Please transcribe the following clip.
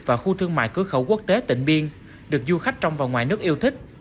và khu thương mại cưới khẩu quốc tế tỉnh biên được du khách trong và ngoài nước yêu thích